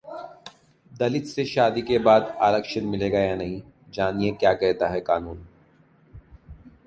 दलित से शादी के बाद आरक्षण मिलेगा या नहीं, जानिए क्या कहता है कानून